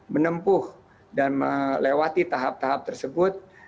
menempuh dan melewati tahap tahap tersebut